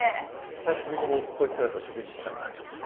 久しぶりにこいつらと食事したんだちょっと。